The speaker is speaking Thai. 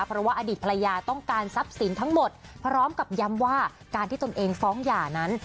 เพราะว่าอดีตภรรยาต้องการทรัพย์สินทั้งหมดพร้อมกับย้ำว่าการที่ตนเองฟ้องหย่านั้น